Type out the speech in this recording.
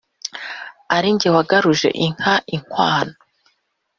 ari jye wagaruje inka inkwano